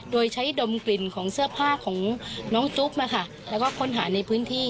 โดยใช้ดมกลิ่นของเสื้อผ้าของน้องจุ๊กนะคะแล้วก็ค้นหาในพื้นที่